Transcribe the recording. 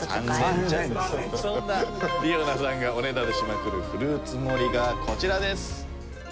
そんなりおなさんがおねだりしまくるフルーツ盛りがこちらです。